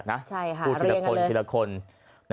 หัวหน้าภักษ์พูดทุกคนแหละนะใช่หาเรียงกันเลยพูดทีละคนทีละคน